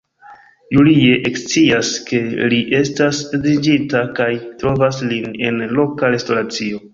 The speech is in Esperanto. Julie ekscias ke li estas edziĝinta kaj trovas lin en loka restoracio.